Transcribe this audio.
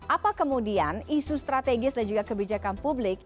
apa kemudian isu strategis dan juga kebijakan publik